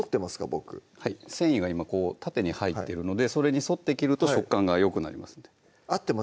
僕はい繊維は今こう縦に入ってるのでそれに沿って切ると食感がよくなりますので合ってます？